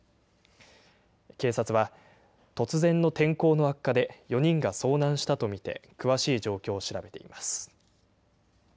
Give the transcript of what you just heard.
警察は突然の天候の悪化で、４人が遭難したと見て詳しい状況を調べています。